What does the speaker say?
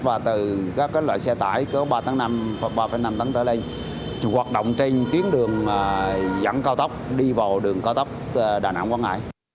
và từ các loại xe tải có ba năm tấn trở lên hoạt động trên tuyến đường dẫn cao tốc đi vào đường cao tốc đà nẵng quảng ngãi